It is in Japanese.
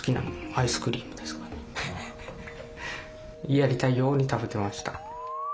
やりたいように食べてました。